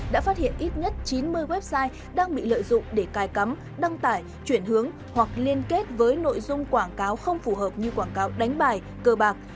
đã phát hiện ít nhất chín mươi website đang bị lợi dụng để cài cắm đăng tải chuyển hướng hoặc liên kết với nội dung quảng cáo không phù hợp như quảng cáo đánh bài cơ bạc